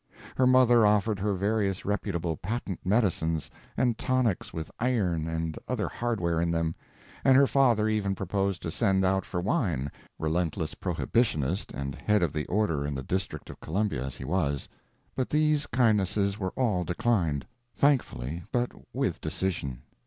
Her mother offered her various reputable patent medicines, and tonics with iron and other hardware in them, and her father even proposed to send out for wine, relentless prohibitionist and head of the order in the District of Columbia as he was, but these kindnesses were all declined—thankfully, but with decision.